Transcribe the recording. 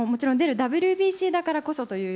ＷＢＣだからこそという。